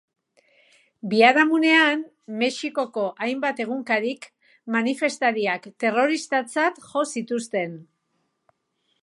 Biharamunean, Mexikoko hainbat egunkarik manifestariak terroristatzat jo zituzten.